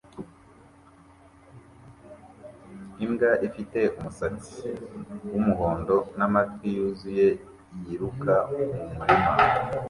Imbwa ifite umusatsi wumuhondo n'amatwi yuzuye yiruka mumurima